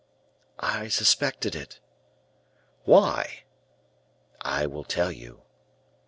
"I suspected it." "Why?" "I will tell you."